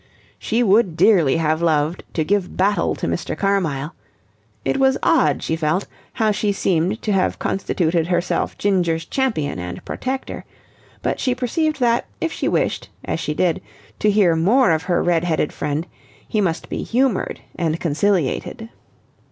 She would dearly have loved to give battle to Mr. Carmyle it was odd, she felt, how she seemed to have constituted herself Ginger's champion and protector but she perceived that, if she wished, as she did, to hear more of her red headed friend, he must be humoured and conciliated.